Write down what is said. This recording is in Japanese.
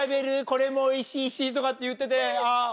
これもおいしいしとかって言ってて。